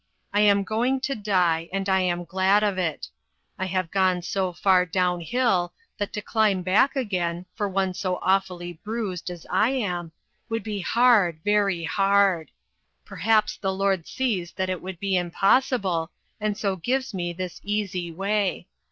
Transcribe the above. I am going to die, and I am glad of it. I have gone so far down hill, that to climb back again, for one so awfully bruised as I am, would be hard, very hard ; perhaps the Lord sees that it would be impossible, and so gives me this easy way.